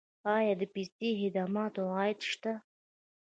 آیا د پستي خدماتو عاید شته؟